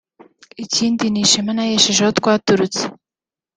ikindi ni ishema nahesheje aho twaturutse